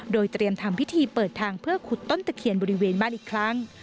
โดยเตรียมทำพิธีเปิดทางเพื่อขุดต้นตะเคียนบริเวณบ้านอีกครั้ง